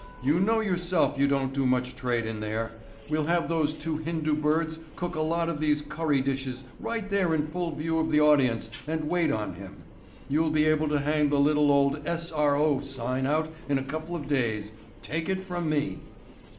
You know yourself you don't do much trade in there. We'll have those two Hindu birds cook a lot of these curry dishes right there in full view of the audience and wait on him. You'll be able to hang the little old S.R.O. sign out in a couple of days, take it from me."